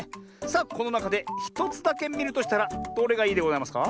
さあこのなかで１つだけみるとしたらどれがいいでございますか？